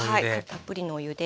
たっぷりのお湯で。